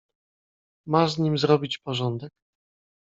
"Masz z nim zrobić porządek."